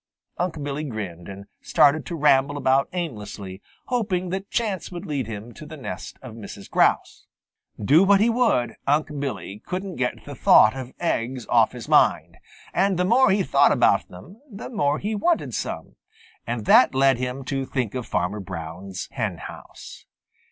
Unc' Billy grinned and started to ramble about aimlessly, hoping that chance would lead him to the nest of Mrs. Grouse. Do what he would, Unc' Billy couldn't get the thought of eggs off his mind, and the more he thought about them the more he wanted some. And that led him to think of Farmer Brown's henhouse.